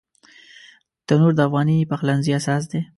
تنور د افغاني پخلنځي اساس دی